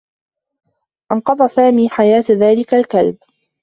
أنقض سامي حياة ذلك الكلب.